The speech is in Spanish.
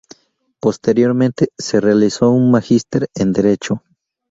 Posteriormente, realizó un magíster en derecho.